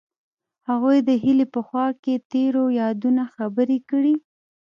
هغوی د هیلې په خوا کې تیرو یادونو خبرې کړې.